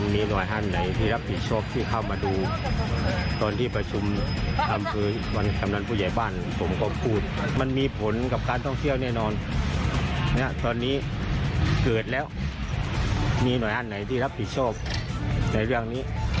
มีหน่วยห้านไหนที่รับผิดชอบในเรื่องนี้